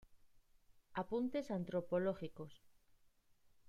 Apuntes antropológicos".